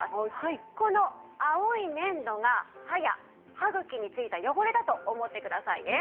この青い粘土が歯や歯茎についた汚れだと思ってくださいね。